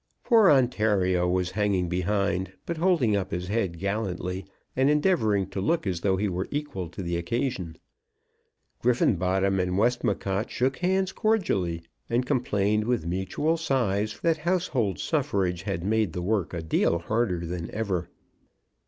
Poor Ontario was hanging behind, but holding up his head gallantly, and endeavouring to look as though he were equal to the occasion. Griffenbottom and Westmacott shook hands cordially, and complained with mutual sighs that household suffrage had made the work a deal harder than ever.